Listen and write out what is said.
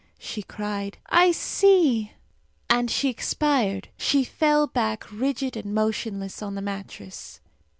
she cried. "I see!" And she expired. She fell back rigid and motionless on the mattress.